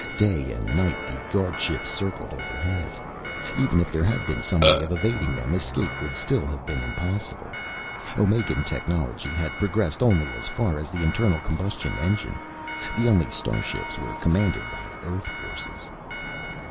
Day and night, the guardships circled overhead. Even if there had been some way of evading them, escape would still have been impossible. Omegan technology had progressed only as far as the internal combustion engine; the only starships were commanded by Earth forces.